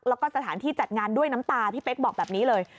แล้วก็สถานที่จัดงานด้วยน้ำตาพี่เป๊กบอกแบบนี้เลย